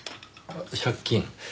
借金。